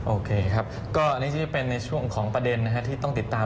โอเคครับก็อันนี้จะได้เป็นในช่วงของประเด็นที่ต้องติดตาม